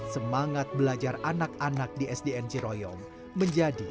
semangat belajar anak anak di sdn ciroyong menjadi